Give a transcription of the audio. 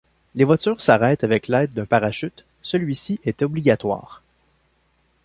Les voitures s'arrêtent avec l'aide d'un parachute, celui-ci est obligatoire.